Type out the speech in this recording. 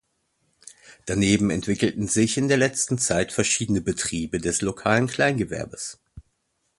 Daneben entwickelten sich in der letzten Zeit verschiedene Betriebe des lokalen Kleingewerbes.